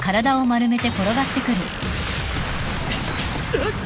あっ！？